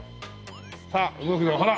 さあ動くぞほら！